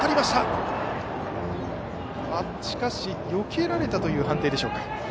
しかし、よけられたという判定でしょうか。